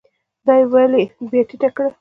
دا يې ويلې بيا ټيټه کړه ؟